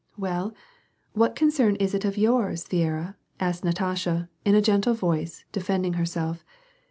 " Well, what concern is it of yours, Viera ?" asked Natasha, in a gentle voice, defending herself.